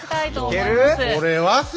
いける？